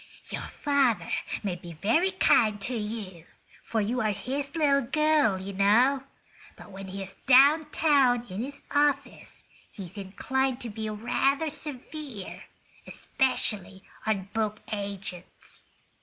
"Your father may be very kind to you, for you are his little girl, you know. But when he's down town in his office he's inclined to be rather severe, especially on book agents.